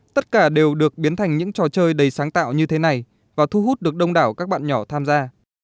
tất cả đều được biến thành những trò chơi đầy sáng tạo như thế này và thu hút được đông đảo các bạn nhỏ tham gia